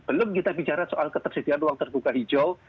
belum kita bicara soal ketersediaan ruang terbuka hijau